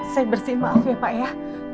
saya bersih maaf ya pak ya